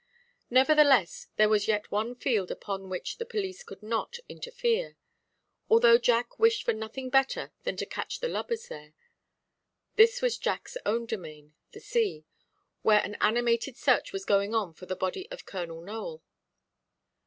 Nevertheless there was yet one field upon which the police could not interfere; although Jack wished for nothing better than to catch the lubbers there. This was Jackʼs own domain, the sea, where an animated search was going on for the body of Colonel Nowell.